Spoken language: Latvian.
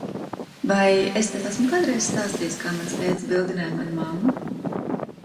Vai es tev esmu kādreiz stāstījis, kā mans tētis bildināja manu mammu?